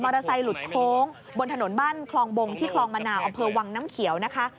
มอเตอร์ไซต์หลุดโค้งบนถนนบ้านคลองบงที่คลองมะหนาวอวังน้ำเขียว